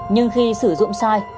nhưng khi sử dụng sai